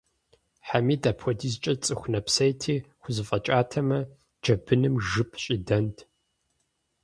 Хьэмид апхуэдизкӏэ цӏыху нэпсейти, хузэфӏэкӏатэмэ, джэбыным жып щӏидэнт.